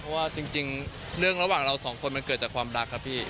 เพราะว่าจริงเรื่องระหว่างเราสองคนมันเกิดจากความรักครับพี่